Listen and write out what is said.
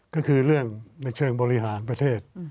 ก็คือเรื่องในเชิงบริหารประเทศ